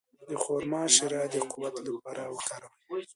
د خرما شیره د قوت لپاره وکاروئ